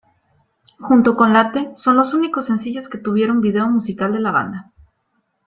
Junto con Late son los únicos sencillos que tuvieron vídeo musical de la banda.